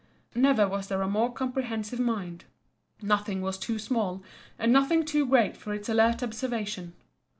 Never was there a more comprehensive mind. Nothing was too small and nothing too great for its alert observation.